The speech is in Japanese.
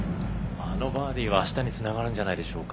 あのバーディーは、あしたにつながるんじゃないでしょうか。